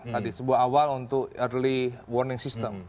tadi sebuah awal untuk early warning system